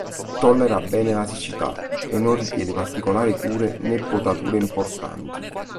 Tollera bene la siccità e non richiede particolari cure né potature importanti.